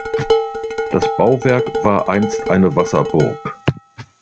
Das Bauwerk war einst eine Wasserburg.